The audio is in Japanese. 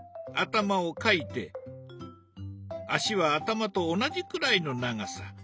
頭を描いて足は頭と同じくらいの長さ。